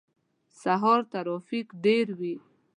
سهار ترافیک ډیر وی